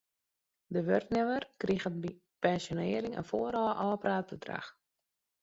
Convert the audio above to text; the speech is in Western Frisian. De wurknimmer kriget by pensjonearring in foarôf ôfpraat bedrach.